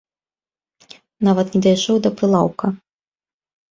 Нават не дайшоў да прылаўка.